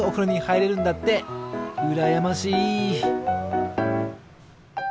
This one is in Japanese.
うらやましい。